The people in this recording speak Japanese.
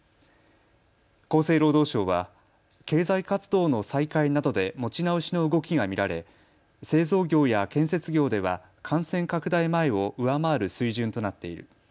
厚生労働省は経済活動の再開などで持ち直しの動きが見られ製造業や建設業では感染拡大前を上回る水準となっている。